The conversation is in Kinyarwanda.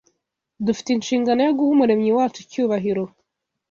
dufite inshingano yo guha Umuremyi wacu icyubahiro